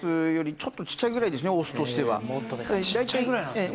ちっちゃいぐらいなんですか？